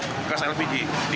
ini akibat dari ledakan apa